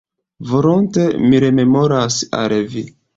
Volonte mi rememoras al Vi.